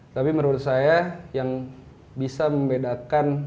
tapi menurut saya yang bisa membedakan